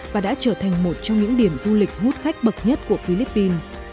và đã trở thành một trong những điểm du lịch hút khách bậc nhất của philippines